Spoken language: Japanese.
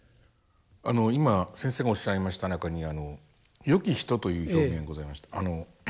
あの今先生がおっしゃいました中に「よき人」という表現ございました。